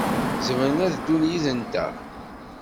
Zemren ad ddun yid-nteɣ.